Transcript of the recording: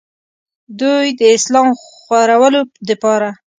دوي د اسلام خورولو دپاره